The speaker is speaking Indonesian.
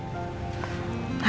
mungkin dia ke mobil